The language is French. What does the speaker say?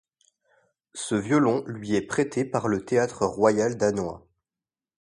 Ce violon lui est prêté par le Théâtre royal danois.